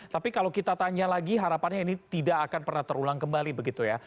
tapi kalau kita tanya lagi harapannya ini tidak akan pernah terulang kembali begitu ya